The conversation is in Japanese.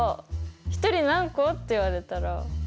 １人何個？」って言われたら。